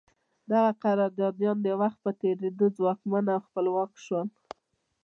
دغه قراردادیان د وخت په تېرېدو ځواکمن او خپلواک شول.